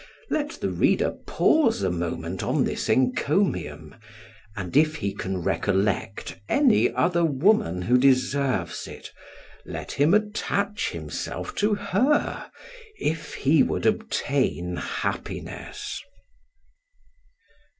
Let the reader pause a moment on this encomium, and if he can recollect any other woman who deserves it, let him attach himself to her, if he would obtain happiness.